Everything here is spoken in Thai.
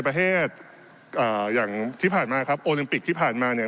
ประเทศอ่าอย่างที่ผ่านมาครับโอลิมปิกที่ผ่านมาเนี่ย